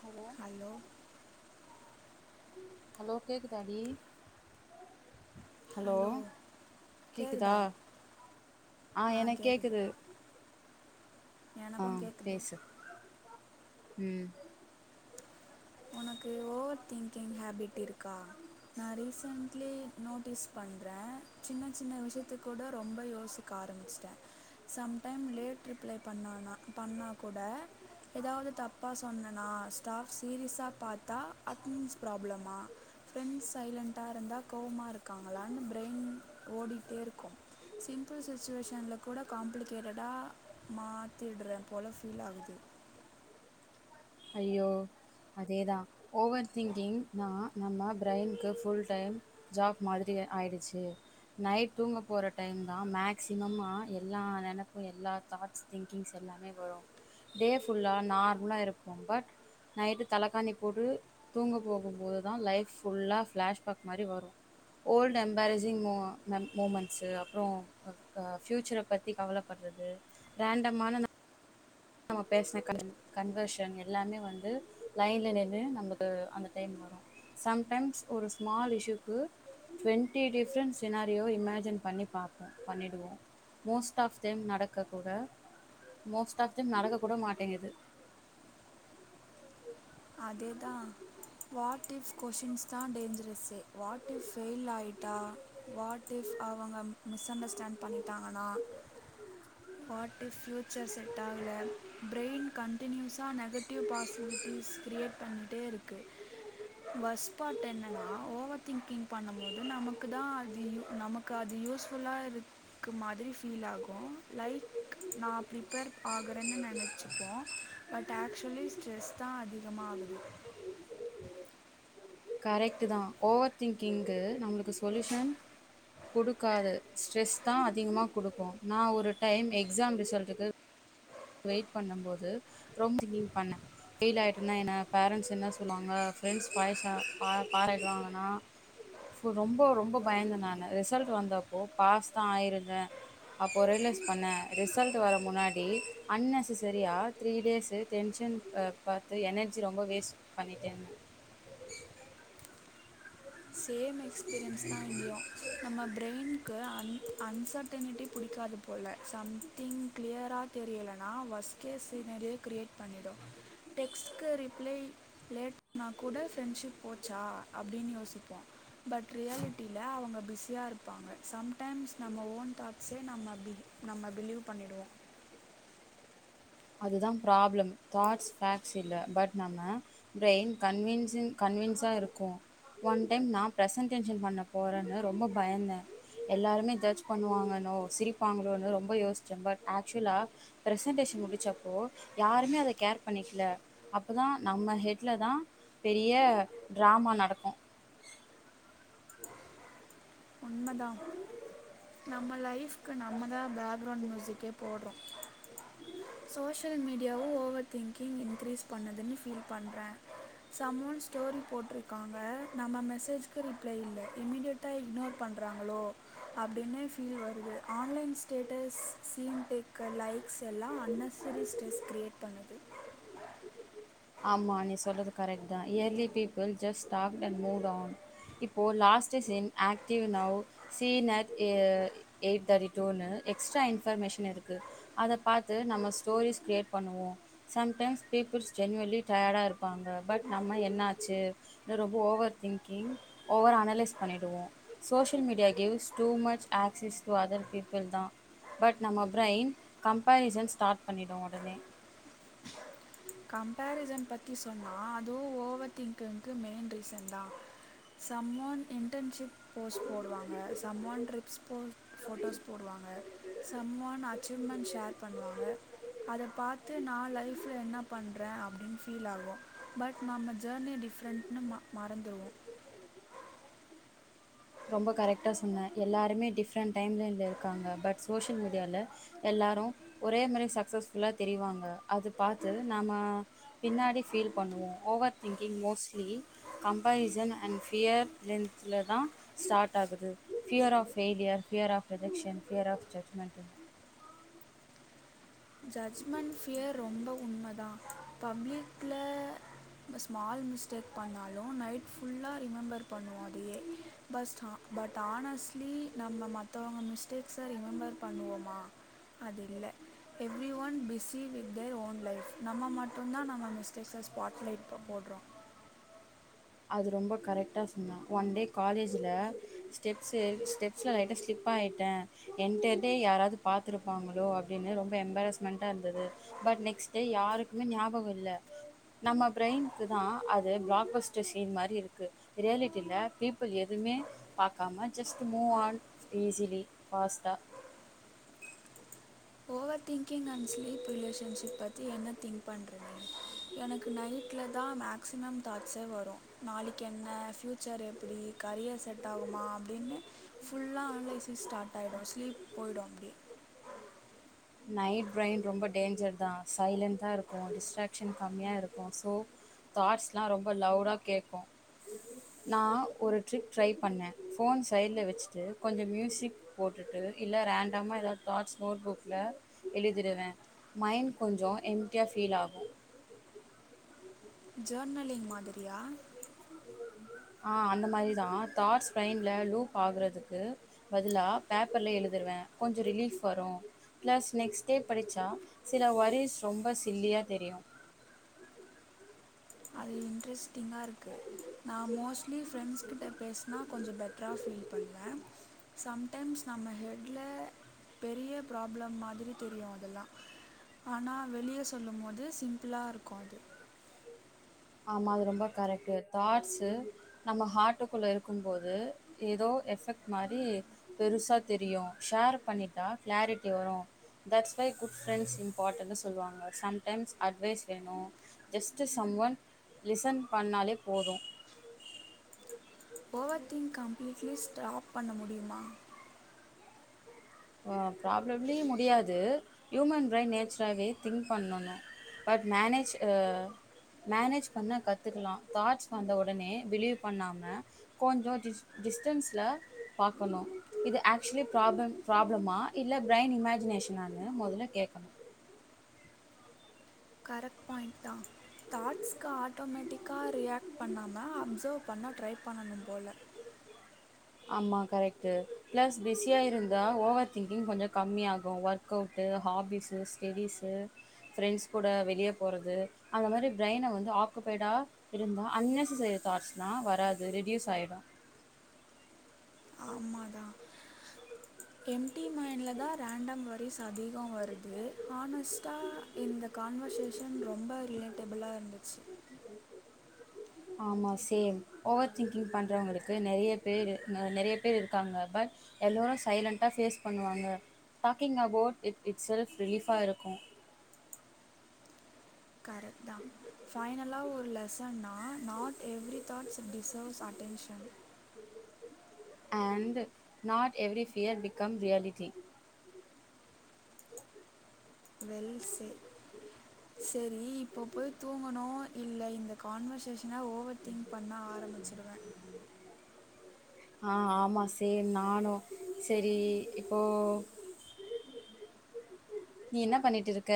hello hello கேக்குதா டி hello கேக்குதா கேட்குதா ஆ எனக்கு கேக்குது எனக்கு கேக்குது உம் ஒனக்கு ஓவர் திங்கிங் ஹேபிட் இருக் க்கா நா ரீசன்ட்லி நோட்டீஸ் பண்ணுறே சின்ன சின்ன விஷயத்தக்கூட ரொம்ப யோசிக்க ஆரம்பிச்சிட்டே சம்டைம் லேட் ரிப்ளை பண்ணானா பண்ணா கூட ஏதாவது தப்பா சொன்னனா ஸ்டாப் சீரியஸா பாத்தா அட்டனன்ஸ் ப்ராப்ளமா ஃப்ரெண்ட்ஸ் சைலண்ட்டா இருந்தா கோவமா இருக்காங்களான்னு பிரைன் ஓடிட்டே இருக்கு சிம்பிள் சுச்சுவேஷன்ல கூட காம்ப்ளிகேட்டடா மாத்திடுறே போல ஃபீல் ஆகுது ஐயோ அதேதா ஓவர் திங்கிங் தா நம்ம பிரைன்க்கு புல் டைம் ஜாப் மாதிரி ஆயிடுச்சு நைட் தூங்க போற டைம் தா மேக்சிமமா எல்லா நெனப்பு எல்லா தாட்ஸ் திங்கிங்ஸ் எல்லாமே வரு டே ஃபுல்லா நார்மலா இருப்போ பட் நைட்டு தலக்காணி போட்டு தூங்க போகும் போது தா லைஃப் ஃபுல்லா ஃப்ளாஷ்பேக் மாரி வரு ஓல்டு எம்பாரிசிங் மெ மூமெண்ட்சு அப்புறம் ஃபயூச்சர பத்தி கவலப்படுறது ரேண்டமான நம்ம பேசுன கன் கன்வர்ஷன் எல்லாமே வந்து லைன்ல நின்னு நமக்கு அந்த டைம் வரு சம்டைம்ஸ் ஒரு ஸ்மால் இஸ்சுக்கு ட்வெண்ட்டி டிஃப்ரெண்ட் சினாரியோ இமேஜின் பண்ணி பாப்போ பண்ணிடுவோ மோஸ்ட் ஆஃப் தெம் நடக்க கூட மோஸ்ட் ஆஃப் நடக்க கூட மாட்டேங்குது அதேதா வாட் இஃப் கொஷின்ஸ் தா டேஞ்சரஸ்சே வாட் இஃப் ஃபெயில் ஆகிட்டா வாட் இஃப் அவங்க மிஸ்அண்டர்ஸ்டாண்ட் பண்ணிட்டாங்கன்னா வாட் இஃப் ஃப்யூச்சர் செட் ஆகல பிரெயின் கன்டினியூஸா நெகட்டிவ் பாசிவிட்டூஸ் பண்ணிட்டே இருக்கு வஸ்பாட் என்னன்னா ஓவர் திங்கிங் பண்ணம்போது நமக்கு தா அது நமக்கு அது யூஸ்புல்லா இருக்கு மாதிரி ஃபீல் ஆகு லைக் நா ப்ரிப்பேர் ஆகறேன்னு நெனச்சிப்போ பட் ஆக்சுவலி ஸ்ட்ரெஸ் தா அதிக திகமாகுது கரெக்ட் தா ஓவர் திங்கிங்கு நம்மளுக்கு சொல்யூஷன் கொடுக்காது ஸ்ட்ரெஸ் தா அதிகமா குடுக்கு நா ஒரு டைம் எக்ஸாம் ரிசல்ட்டுக்கு வெயிட் பண்ணம் போது ரொம்ப திங்கிங் பண்ணே ஃபெயில் ஆயிட்டேன்னா என்ன பேரண்ட்ஸ் என்ன சொல்லுவாங்க ஃப்ரெண்ட்ஸ் பாய்சா பார் பாராய்டுவாங்கன்னா ரொம்ப ரொம்ப பயந்த நானு ரிசல்ட் வந்தப்போ பாஸ் தா ஆயிருந்தே அப்போ ரியலைஸ் பண்ணேன் ரிசல்ட் வர முன்னாடி அன்னேசெசரியா த்ரீ டேஸ்சு டென்ஷன் அ பாத்து எனர்ஜி ரொம்ப வேஸ்ட் பண்ணிட்டேனு சேம் எக்ஸ்பீரியன்ஸ் தா இங்கயு நம்ம பிரெய்ன்க்கு அன்ச்டனிட்டி பிடிக்காது போல சம்திங் கிளியரா தெரியலனாேன வஸ்கேஸ் சீனரிய கிரீயேட் பண்ணிரு டெக்ஸ்ட்கு ரிப்ளை லேட் பண்ணா கூட ஃப்ரெண்ட்ஸிப் போச்சா அப்படினு யோசி க்க பட் ரியாலிட்டில அவங்க பி ஸியாக இருப்பாங்க சம்டைம்ஸ் நம்ம ஓன் தாட்ஸே நம்ம பி நம்ம பிலீவ் பண்ணிடுவோ அதுதா ப்ராப்ளம் தாட்ஸ் பேகஸ் இல்லை பட் நம்ம பிரெயின் கன்வசிங் கன்வின்ஸா இருக்கு ஒன் டைம் நா பிர்சன்டேஷன் பண்ண போறேன்னு ரொம்ப பயந்தே எல்லாருமே ஜட்ஜ் பண்ணுவாங்கன்னோ சிரிப்பாங்களோ ரொம்ப யோசிச்சேன் பட் ஆக்சுவலா பிரசன்டேஷன் முடிச்ச ப்போ யாருமே அத கேர் பண்ணிக்கல அப்பதா நம்ம ஹேட்ல தா பெரிய டிரமா நடக்கு ஒன்பதாம் நம்ம லைஃப்கு நம்ம தா பேக்ரவுண்ட் மியூசிக்கே போடுறோ சோஷியல் மீடியாவு ஓவர் திங்கிங் இன்க்ரீஸ் பண்ணுதுன்னு ஃபீல் பண்ணுறே சமன் ஒன் ஸ்டோரி போட்டிருக்காங்க நம்ம மெசேஜ்க்கு ரிப்ளை இல்ல இமீடியட்டாக இக்னோர் பண்றாங்களோ அப்டின்னு ஃபீல் வருது online status seen taker likes எல்லா அன்னெஸசரி ஸ்ட்ரெஸ் க்ரீயேட் பண்ணுது ஆமா நீ சொல்றது கரெக் தா early people just talk then mood on இப்போ last seen active now seen at a eight thirty two ன்னு எக்ஸ்ட்ரா இன்வெர்மேஷன் இருக்கு அதப் பாத்து நம்ம ஸ்டோரிஸ் க்ரீயேட் பண்ணுவோ சம் டைம்ஸ் பீபுள்ஸ் ஜென்வன்லி டயர்டாக இருப்பாங்க பட் நம்ம என்னாச்சு ரொம்ப ஓவர் திங்கிங் ஓவர் அனலைஸ் பண்ணிடுவோ social media gives too much access to other people தா பட் நம்ம பிரெயின் கம்பரிசன் ஸ்டார்ட் பண்ணிடு உடனே கம்பாரிசன் பற்றி சொன்னா அதுவு ஓவர் திங்கிங்க்கு மெயின் ரீசன் தா சம்மோன் இன்டர்ன்ஷிப் போஸ்ட் போடுவாங்க சம்ம ஒன் ட்ரிப்ஸ் போ போட்டோஸ் போடுவாங்க சம் ஒன் அச்சீவ்மெண்ட் ஷேர் பண்ணுவாங்க அதை பாத்து நால என்ன பண்றே அப்டின்னு ஃபீல் ஆம் பட் நம் ஜேர்னி டிஃப்ரெண்ட்ன்னு மா மறந்துடுவோ ரொம்ப கரெக்டா சொன்ன எல்லாருமே டிஃப்ரெண்ட் டைம்லைன்ல இருக்காங்க பட் சோசியல் மீடியால எல்லாரும் ஒரே மாரி சக்சஸ்ஃபுல்லா தெரிவாங்க அது பாத்து நாம பின்னாடி ஃபீல் பண்ணுவோம் over thinking mostly comparison and fear ரெண்ட்ல தான் ஸ்டார்ட் ஆகுது fear of failure fear of rejection fear of judgement judgement fear ரொம்ப உண்ம தான் பப்ளிக்ல ல இப்ப ஸ்மால் மிஸ்டேக் பண்ணாலும் நைட் ஃபுல்லா ரிமெம்பர் பண்ணுவோம் அதயே பஸ் பட் தானஸ்டலி நம்ம மத்தவங்க மிஸ்டேக்ஸ ரிமம்பர் பண்ணுவோமா அது இல்ல everyone busy with their own life நம்ம மட்டும்தான் நம்ம மிஸ்டேக்ஸ ஸ்பாட்ல இப்ப போட்றோம் அது ரொம்ப கரெக்டா சொன்ன ஒன் டே காலேஜ்ல ஸ்டெப்ஸ் ஏறி ஸ்டெப்ஸ்ல லைட்டா ஸ்லிப்பாய்டேன் என்டர்டே யாராவது பாத்துருப்பாங்களோ அப்டின்னு ரொம் ப எம்பரஸ்மெண்டா இருந்தது பட் நெக்ஸ்ட் டே யாருக்குமே ஞாபகம் இல்ல நம்ம பிரய்னுக்கு தான் அது பிளாக்பஸ்ட் சீன் மாரி இருக்கு ரியாலிட்டில பீப்புள் எதுமே பாக்காம ஜஸ்ட் மூவ் ஆன் ஈஸிலி ஃபாஸ்டா over thinking and sleep relationship பத்தி என்ன திங்க் பண்ற நீ எனக்கு நைட்ல தான் மேக்ஸிமம் தாட்ஸே வரும் நாளைக்கு என்ன ஃப்யூச்சர் எப்டி கரியர் செட் ஆகுமா அப்டின்னு ஃபுல்லா அனலைசிஸ் ஸ்டார்ட் ஆகிடும் ஸ்லீப் போய்டும் அப்டி நைட் பிரைன் ரொம்ப டேஞ்சர் தான் சைலண்ட்டா இருக்கும் டிஸ்ட்ராக்ஷன் கம்மியா இருக்கும் ஸோ தாட்ஸ்லாம் ரொம்ப லவுடா கேக்கும் நான் ஒரு ட்ரிக் ட்ரை பண்ணேன் ஃபோன் சைடில வச்சுட்டு கொஞ்சம் மியூசிக் போட்டுட்டு இல்ல ரேண்டமா ஏதாவது தாட்ஸ் நோட் புக் ல எழுதிடுவேன் மைண்ட் கொஞ்சம் எம்டியா ஃபீல் ஆகும் ஜேர்னலிங் மாதிரியா ஆஹ அந்த மாரி தான் தாட்ஸ் பிரைன்ல லூப் ஆகுறதுக்கு பதிலா பேப்பர்ல எழுதிர்வேன் கொஞ்சம் ரிலீஃப் வரும் பிளஸ் நெக்ஸ்ட் டே படிச்சா சில வொரிஸ் ரொம்ப சில்லியா தெரியும் அது இன்ட்ரெஸ்டிங்காக இருக்குது நான் மோஸ்ட்லி ஃப்ரெண்ட்ஸ்கிட்ட பேசினா கொஞ்சம் பெட்டரா ஃபீல் பண்ணுவேன் சம்டைம்ஸ் நம்ம ஹெட்ல பெரிய ப்ராப்ளம் மாதிரி தெரியும் அதெல்லாம் ஆனா வெளிய சொல்லும் போது சிம்பிளா இருக்கும் அது ஆமா அது ரொம்ப கரெக்டு தாட்ஸு நம்ம ஹார்ட்டுக்குள்ள இருக்கும் போது எதோ எஃபெக்ட் மாரி பெருசா தெரியும் ஷேர் பண்ணிட்டா கிளாரிட்டி வரும் தட்ஸ் ஒய் குட் ஃப்ரெண்ட்ஸ் இம்பார்ட்டன்னு சொல்லுவாங்க சம்டைம்ஸ் அட்வைஸ் வேணும் ஜஸ்ட் சம் ஒன் லிசன் பண்ணாலே போதும் ஓவர் திங் கம்ப்ளீட்லி ஸ்ட்ராப் பண்ண முடியுமா ஆஹ் ப்ராப்ளம்லயே முடியாது ஹியூமன் பிரைன் நேச்சராவே திங்க் பண்ணணும் பட் மேனேஜ் ஆஹ் மேனேஜ் பண்ண கத்துக்கலாம் தாட்ஸ் வந்த உடனே பிலீவ் பண்ணாம கொஞ்சோ டிஸ் டிஸ்டன்ஸ்ல பாக்கணும் இது ஆக்சுவலி ப்ராப்ளம் ப்ராப்ளமா இல்ல பிரைன் இமேஜினேஷனானு மொதல்ல கேக்கணும் கரெக்ட் பாயிண்ட் தான் காட்ஸ்க்கு ஆட்டோமேட் டிக்கா ரியாக்ட் பண்ணாம அப்சர்வ் பண்ண ட்ரை பண்ணணும் போல ஆமா கரெக்ட்டு பிளஸ் பிஸியா இருந்தா ஓவர் திங்கிங் கொஞ்சம் கம்மிய ஆகும் work out hobbies studies friends கூட வெளிய போறது அந்த மாரி பிரைன்ன வந்து ஆக்குபைடா இருந்தா அநெசசரி தாட்ஸ்லாம் வராது ரெடியூஸ் ஆய்டும் ஆம்மாதான் எம்டி மைண்டில தான் ரேண்டம் வொரிஸ் அதிகம் வருது ஹானஸ்ட்டா இந்த கான்வர்சேஷன் ரொம்ப ரிலேட்டபிளா இருந்துச்சு ஆமா சேம் ஓவர் திங்கிங் பண்றவங்களுக்கு நெறைய பேரு நெறைய பேர் இருக்காங்க பட் எல்லோரும் சைலண்ட ஃபேஸ் பண்ணுவாங்க talking about it it's self ரிலீஃபா இருக்கும் கரெக்ட் தான் ஃபைனலா ஒரு லெசன்னன்னா not every thoughts deserves attention and not every fear become reality well say சரி இப்ப போய் தூங்கணும் இல்ல இந்த கான்வர்சேஷன் இல்லனா ஓவர் திங்க் பண்ண ஆரம்பிச்சிடுவேன் ஆஹ் ஆமா சேர் நானும் செரி இப்போ நீ என்ன பண்ணிட்டு இருக்க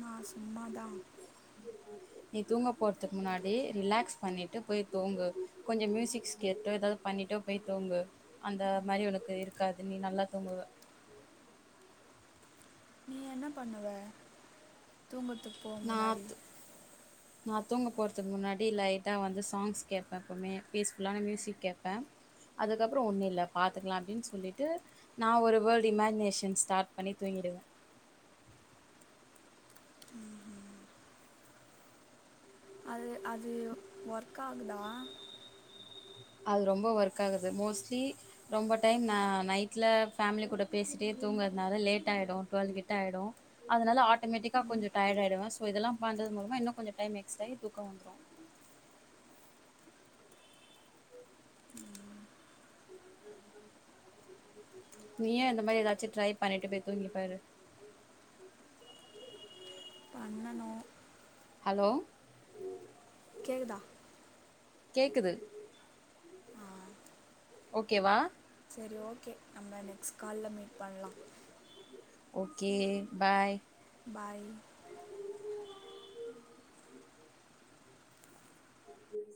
நான் சும்மா தான் நீ தூங்க போறதுக்கு முன்னாடி ரிலாக்ஸ் பண்ணிட்டு போய் தூங்கு கொஞ்சம் மியூசிக்ஸ் கேட்டு ஏதாவது பண்ணிட்டோ போய் தூங்கு அந்த மாரி உனக்கு இருக்காது நீ நல்லா தூங்குவ நீ என்ன பண்ணுவ தூங்குறத்துக்கு போக முன்னாடி நான் தூங்க போறதுக்கு முன்னாடி லைட்டா வந்து சாங்ஸ் கேப்பேன் எப்பவுமே பீஸ்ஃபுல்லான மியூசிக் கேட்பேன் அதுக்கப்புறம் ஒன்றும் இல்ல பாத்துக்கலாம் அப்டின்னு சொல்லிவிட்டு நான் ஒரு வேல்ட் இமேஜினேஷன் ஸ்டார்ட் பண்ணி தூங்கிடுவேன் அது அது ஒர்க் ஆகுதா அது ரொம்ப ஒர்க் ஆகுது மோஸ்ட்லி ரொம்ப டைம் நான் நைட்ல ஃபேமிலி கூட பேசிட்டே தூங்கதுனால லேட் ஆய்டும் டுவெல் கிட்ட ஆய்டும் அதனால ஆட் ஆட்டமட்டிக்கா ம் கொஞ்ச டயர்ட் ஆகிடுவேன் ஸோ இதெல்லாம் பண்றது மூலமா இன்னும் கொஞ்சம் டைம் எக்ஸ்ட் ஆகி தூக்கம் வந்துறும் நீயன் இந்த மாரி ஏதாச்சு ட்ரை பண்ணிட்டு போய் தூங்கிப் பாரு பண்ணனு ஹலோ கேக்குதா கேக்குது ஆ ஓகேவா செரி ஓகே நம்ம நெக்ஸ்ட் கால்ல மீட் பண்ணலா ஓகே பாய் பாய் உம் உஹ உம்